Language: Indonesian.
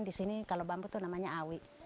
disini kalau bambu itu namanya awi